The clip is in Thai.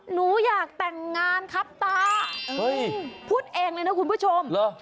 หนูอยากแต่งงานครับตาพูดเองเลยนะคุณผู้ชมเหรอ